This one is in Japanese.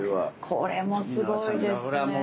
これもすごいですね。